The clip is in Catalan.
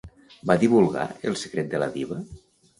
Va divulgar el secret de la diva?